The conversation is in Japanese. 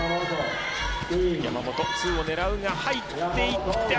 山本、ツーを狙うが入っていって。